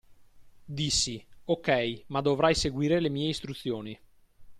Dissi: "OK, ma dovrai seguire le mie istruzioni".